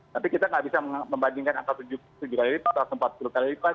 tapi kita nggak bisa membandingkan angka tujuh kali lipat atau empat puluh kali lipat